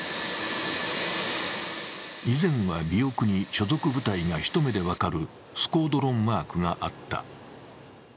以前は尾翼に所属部隊がひと目で分かるスコードロンマークがあった。